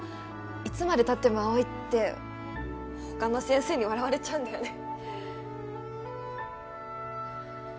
いつまでたっても青いって他の先生に笑われちゃうんだよね